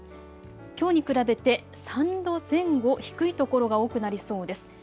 きょうに比べて３度前後低いところが多くなりそうです。